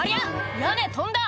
屋根飛んだ！」